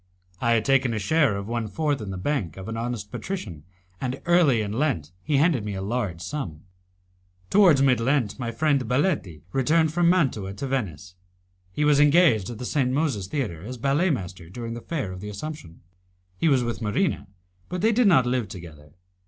I had taken a share of one fourth in the bank of an honest patrician, and early in Lent he handed me a large sum. Towards mid Lent my friend Baletti returned from Mantua to Venice. He was engaged at the St. Moses Theatre as ballet master during the Fair of the Assumption. He was with Marina, but they did not live together.